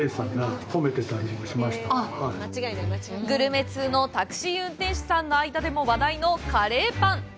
グルメ通のタクシー運転手さんの間でも話題のカレーパン！